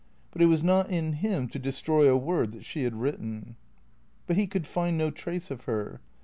But it was not in him to destroy a word that she had written. But he could find no trace of her.